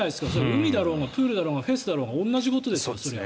海だろうがプールだろうがフェスだろうが同じことですよ、それは。